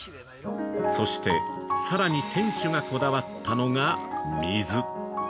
◆そして、さらに店主がこだわったのが水。